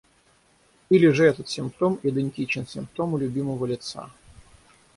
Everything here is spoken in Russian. Или же этот симптом идентичен симптому любимого лица.